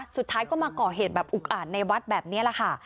สุดท้ายก็มาก่อเหตุแบบอุกอ่านในวัดแบบนี้แหละค่ะ